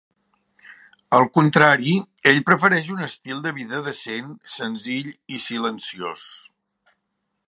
Al contrari, ell prefereix un estil de vida decent, senzill i silenciós.